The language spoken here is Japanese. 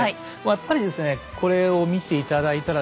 やっぱりですねこれを見て頂いたらですね